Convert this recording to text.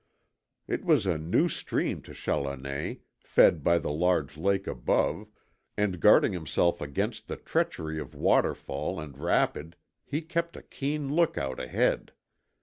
It was a new stream to Challoner, fed by the large lake above, and guarding himself against the treachery of waterfall and rapid he kept a keen lookout ahead.